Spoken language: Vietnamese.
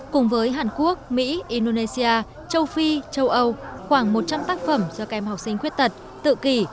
cùng với hàn quốc mỹ indonesia châu phi châu âu khoảng một trăm linh tác phẩm do các em học sinh khuyết tật tự kỷ